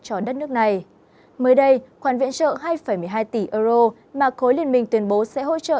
cho đất nước này mới đây khoản viện trợ hai một mươi hai tỷ euro mà khối liên minh tuyên bố sẽ hỗ trợ